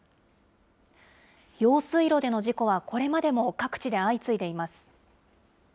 用水路での事故はこれまでも各地で相次いでいます。